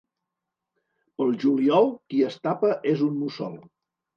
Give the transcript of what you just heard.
Pel juliol qui es tapa és un mussol.